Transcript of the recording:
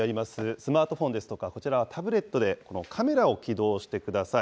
スマートフォンですとか、タブレットで、このカメラを起動してください。